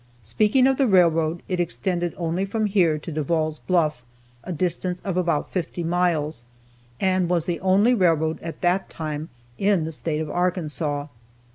Speaking of the railroad, it extended only from here to Devall's Bluff, a distance of about fifty miles, and was the only railroad at that time in the State of Arkansas.